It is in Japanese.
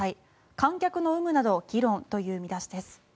観客の有無など議論という見出しです。